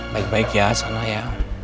baik baik ya sana ya